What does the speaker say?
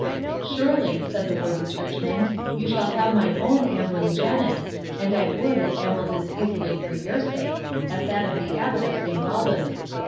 56 "Surely," said the worthy churchman; "you shall have mine own ambling jennet, and I would it ambled as easy for your sake as that of the Abbot of Saint Albans.